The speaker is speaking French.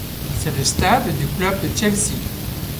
C'est le stade du club de Chelsea.